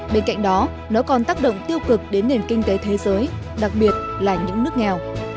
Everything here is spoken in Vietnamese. bên cạnh đó nó còn tác động tiêu cực đến nền kinh tế thế giới đặc biệt là những nước nghèo